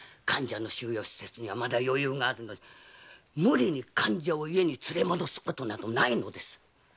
患者の収容施設にまだ余裕があるのに無理に患者を家に連れ戻すことなどないのです！